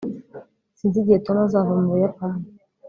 s sinzi igihe tom azava mu buyapani